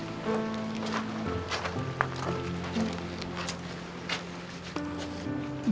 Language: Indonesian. masukkan lagi ya